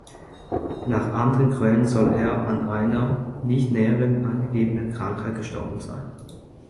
Nach anderen Quellen soll er an einer nicht näher angegebenen Krankheit gestorben sein.